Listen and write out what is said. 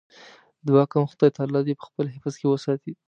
دعا کوم خدای تعالی دې په خپل حفظ کې وساتي.